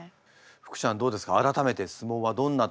福ちゃんどうですか？